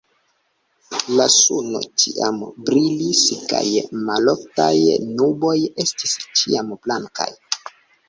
La suno ĉiam brilis kaj maloftaj nuboj estis ĉiam blankaj.